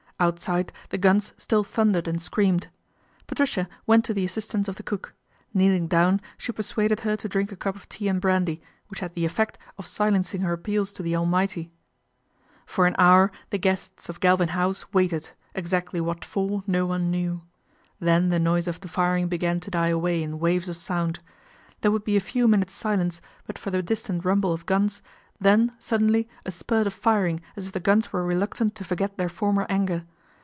Outside the guns still thundered and screamed Patricia went to the assistance of the cook; kneeling down she persuaded her to drink a cup of tea and brandy, which had the effect of silencing her appeals to the Almighty. For an hour the " guests " of Galvin House waited, exactly what for no one knew. Then the noise of the firing began to die away in waves of sound. There would be a few minutes' silence but for the distant rumble of guns, then suddenly a spurt of firing as if the guns were reluctant to forget their former anger.